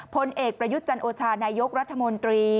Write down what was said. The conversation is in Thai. พลเอกประยุทธ์จันโอชานายกรัฐมนตรี